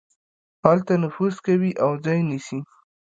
هلته نفوذ کوي او ځای نيسي.